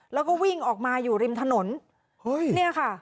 แล้วก็วิ่งออกมาอยู่ริมถนนเฮ้ยเนี่ยค่ะ